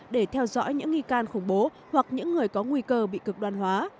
để theo dõi những nghi can khủng bố hoặc những người có nguy cơ bị cực đoan hóa